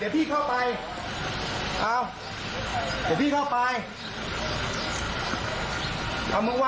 พี่เข้ามาอุปกรณ์ตัวเองนะ